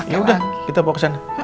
ya udah kita bawa kesana